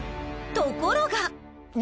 ところが。